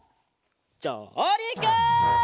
じょうりく！